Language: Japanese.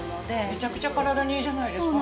めちゃくちゃ体にいいじゃないですか。